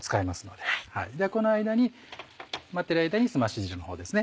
ではこの間に待ってる間にすまし汁のほうですね